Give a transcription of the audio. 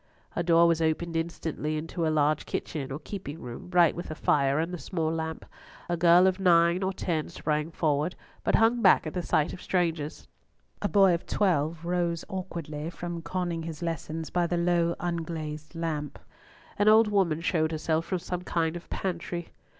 A door was opened instantly into a large kitchen or keeping room, bright with a fire and small lamp. A girl of nine or ten sprang forward, but hung back at the sight of strangers; a boy of twelve rose awkwardly from conning his lessons by the low, unglazed lamp; an old woman showed herself from some kind of pantry.